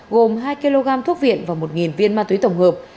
gồm hai kg thuốc viện và một viên ma túy tổng hợp